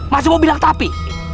masih mau bilang tapi